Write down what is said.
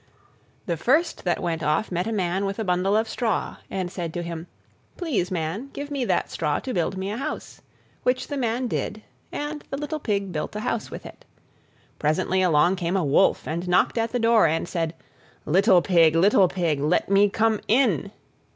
The first that went off met a Man with a bundle of straw, and said to him, "Please, Man, give me that straw to build me a house"; which the Man did, and the little Pig built a house with it. Presently came along a Wolf, and knocked at the door, and said, "Little Pig, little Pig, let me come in."